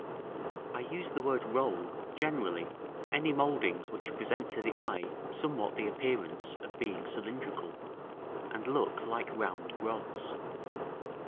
§ II. I use the word roll generally for any mouldings which present to the eye somewhat the appearance of being cylindrical, and look like round rods.